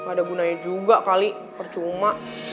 gak ada gunanya juga kali percuma